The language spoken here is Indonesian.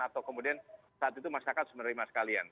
atau kemudian saat itu masyarakat menerima sekalian